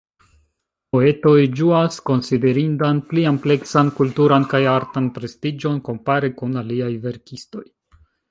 Poetoj ĝuas konsiderindan pli ampleksan kulturan kaj artan prestiĝon kompare kun aliaj verkistoj.